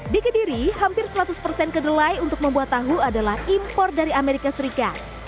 di kediri hampir seratus persen kedelai untuk membuat tahu adalah impor dari amerika serikat